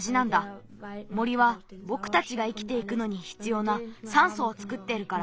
森はぼくたちが生きていくのにひつようなさんそをつくってるから。